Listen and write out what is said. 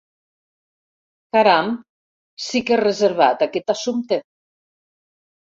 Caram, sí que és reservat, aquest assumpte!